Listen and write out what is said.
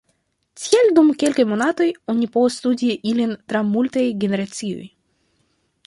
Tial dum kelkaj monatoj oni povas studi ilin tra multaj generacioj.